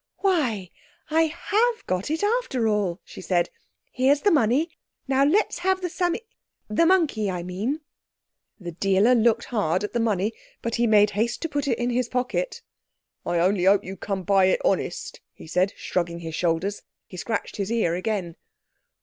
"Why, I have got it after all," she said; "here's the money, now let's have the Sammy,... the monkey I mean." The dealer looked hard at the money, but he made haste to put it in his pocket. "I only hope you come by it honest," he said, shrugging his shoulders. He scratched his ear again.